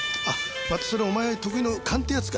またそれお前得意の勘ってやつか？